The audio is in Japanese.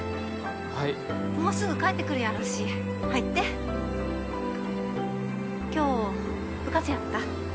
はいもうすぐ帰ってくるやろし入って今日部活やった？